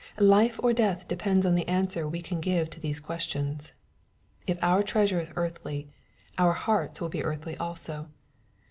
Life or death depends on the answer we can give to these questions. If our treasure is earthly, our hearts will be earthly also.